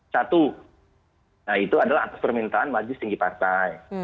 satu nah itu adalah atas permintaan majlis tinggi partai